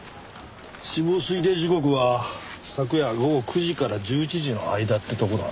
死亡推定時刻は昨夜午後９時から１１時の間ってとこだな。